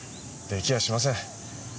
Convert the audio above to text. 出来やしません。